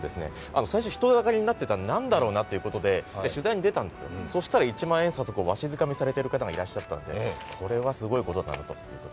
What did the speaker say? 最初、人だかりになってたので、何だろうなということで取材に出たんですよ、そうしたら一万円札をわしづかみにされている方がいたのでこれはすごいことだなと。